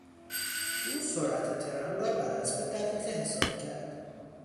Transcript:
او سرعت ترن را بر حسب دقیقه حساب کرد.